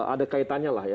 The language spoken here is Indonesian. ada kaitannya lah ya